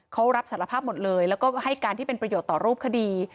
เขารับสารภาพหมดเลยแล้วก็ให้การที่เป็นประโยชน์ต่อรูปคดี